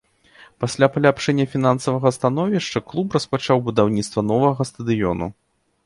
Пасля паляпшэння фінансавага становішча клуб распачаў будаўніцтва новага стадыёну.